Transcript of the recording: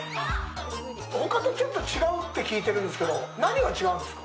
ほかとちょっと違うって聞いてるんですけど、何が違うんですか。